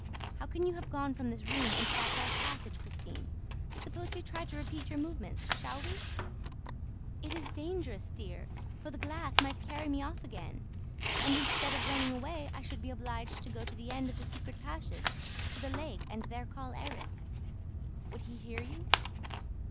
"How can you have gone from this room into that dark passage, Christine? Suppose we try to repeat your movements; shall we?" "It is dangerous, dear, for the glass might carry me off again; and, instead of running away, I should be obliged to go to the end of the secret passage to the lake and there call Erik." "Would he hear you?"